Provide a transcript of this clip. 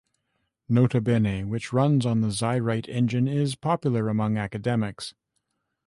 Nota Bene, which runs on the XyWrite engine, is popular among academics.